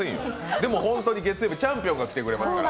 でも本当に月曜日チャンピオンが来てくれますから。